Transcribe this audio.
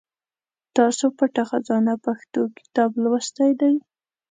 تاسو پټه خزانه پښتو کتاب لوستی دی ؟